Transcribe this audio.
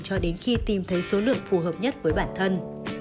cho đến khi tìm thấy số lượng phù hợp nhất với bản thân